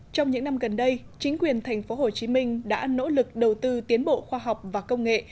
trong những năm gần đây chính quyền tp hcm đã nỗ lực đầu tư tiến bộ khoa học và công nghệ